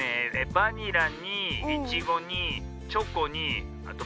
バニラにイチゴにチョコにバナナに。